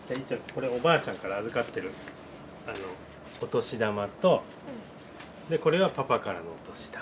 これおばあちゃんから預かってるお年玉とこれはパパからのお年玉。